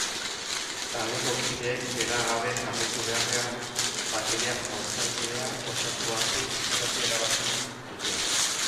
Taldeko kideek bera gabe jarraitu beharrean, bateria-jotzailea osatu arte itxarotea erabaki dute.